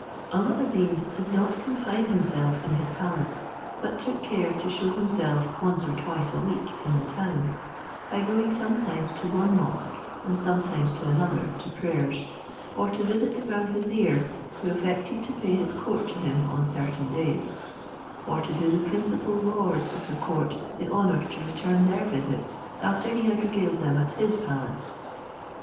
Alla ad Deen did not confine himself in his palace; but took care to shew himself once or twice a week in the town, by going sometimes to one mosque, and sometimes to another, to prayers, or to visit the grand vizier, who affected to pay his court to him on certain days, or to do the principal lords of the court the honour to return their visits after he had regaled them at his palace.